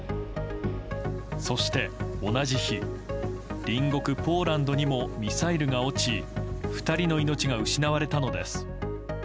そして同じ日、隣国ポーランドにもミサイルが落ち２人の命が失われたのです。